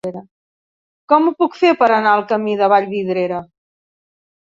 Com ho puc fer per anar al camí de Vallvidrera?